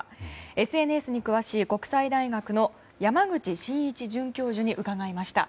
ＳＮＳに詳しい国際大学の山口真一准教授に伺いました。